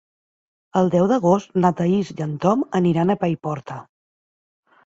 El deu d'agost na Thaís i en Tom aniran a Paiporta.